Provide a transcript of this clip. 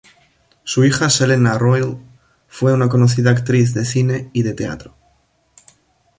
Su hija, Selena Royle, fue una conocida actriz de cine y de teatro.